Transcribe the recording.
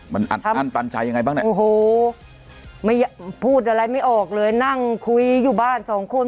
มันอัดอั้นตันใจยังไงบ้างเนี่ยโอ้โหไม่พูดอะไรไม่ออกเลยนั่งคุยอยู่บ้านสองคน